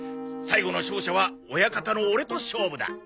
最後の勝者は親方のオレと勝負だ！